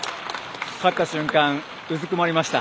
勝った瞬間、うずくまりました。